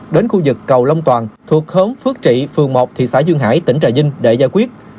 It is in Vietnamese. đến khu vực cầu long toàn thuộc hốn phước trị phường một thị xã duyên hải tỉnh trà vinh để giải quyết